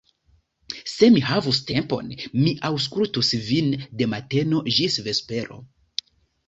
Se mi havus tempon, mi aŭskultus vin de mateno ĝis vespero.